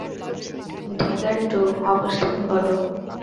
Dagger two, অবস্থান বলো?